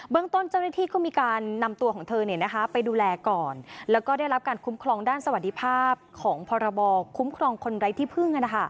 ต้นเจ้าหน้าที่ก็มีการนำตัวของเธอไปดูแลก่อนแล้วก็ได้รับการคุ้มครองด้านสวัสดิภาพของพรบคุ้มครองคนไร้ที่พึ่ง